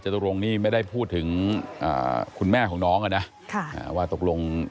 ตรงนี่ไม่ได้พูดถึงคุณแม่ของน้องอ่ะนะว่าตกลง